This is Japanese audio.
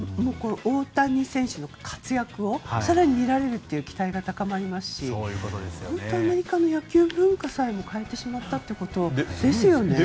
大谷選手の活躍を更に見られるという期待が高まりますし本当、アメリカの野球文化さえも変えてしまったということですよね。